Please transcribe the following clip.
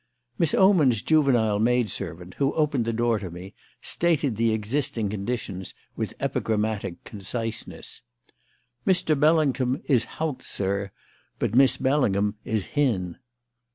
Miss Oman's juvenile maid servant, who opened the door to me, stated the existing conditions with epigrammatic conciseness: "Mr. Bellingham is hout, sir; but Miss Bellingham is hin."